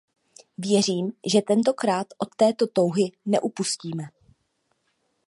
Věřím, že tentokrát od této touhy neupustíme.